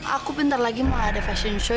aku pintar lagi mau ada fashion show